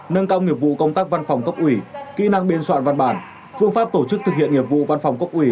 nâng cao nghiệp vụ công tác văn phòng cấp ủy kỹ năng biên soạn văn bản phương pháp tổ chức thực hiện nghiệp vụ văn phòng cấp ủy